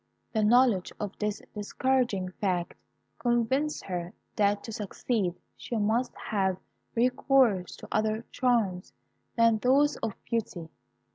"The knowledge of this discouraging fact convinced her that to succeed she must have recourse to other charms than those of beauty.